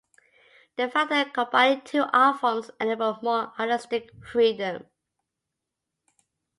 They found that combining two art forms enabled more artistic freedom.